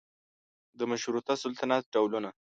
د مشروطه سلطنت ډولونه